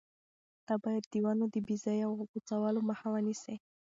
ته باید د ونو د بې ځایه غوڅولو مخه ونیسې.